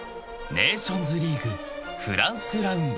［ネーションズリーグフランスラウンド］